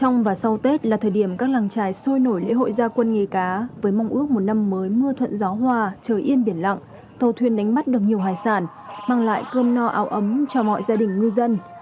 trong và sau tết là thời điểm các làng trài sôi nổi lễ hội gia quân nghề cá với mong ước một năm mới mưa thuận gió hòa trời yên biển lặng tàu thuyền đánh bắt được nhiều hải sản mang lại cơm no áo ấm cho mọi gia đình ngư dân